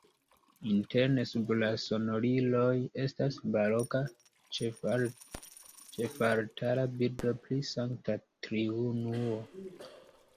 Interne sub la sonoriloj estas baroka ĉefaltara bildo pri Sankta Triunuo.